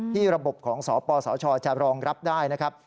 ระบบของสปสชจะรองรับได้นะครับ